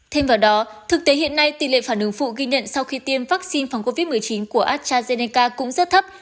thêm vào đó thực tế hiện nay tỷ lệ phản ứng phụ ghi nhận sau khi tiêm vaccine phòng covid một mươi chín của astrazeneca cũng rất thấp